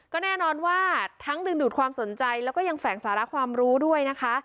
ก็แน่นอนว่าทั้งดึงดูดความสนใจแล้วก็ยังแฝงสาระความรู้ด้วยนะคะ